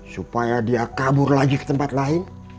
supaya dia kabur lagi ke tempat lain